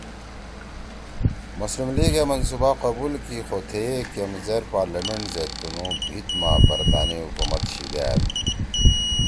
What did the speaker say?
مسلم لیگ اے منصوبہ قبول کی خو تھیئے کیمزیر پارلمینٹ زید تنُو بھیِت ما برطانی حکومت شیِدأد